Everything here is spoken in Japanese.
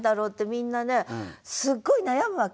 みんなねすごい悩むわけ。